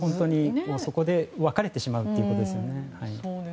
そこで分かれてしまうということですね。